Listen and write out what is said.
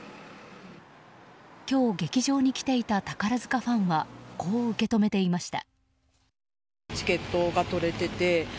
今日、劇場に来ていた宝塚ファンはこう受け止めていました。